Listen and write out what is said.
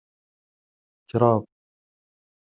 Kreḍ.